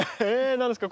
何ですか？